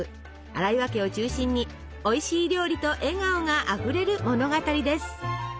荒岩家を中心においしい料理と笑顔があふれる物語です。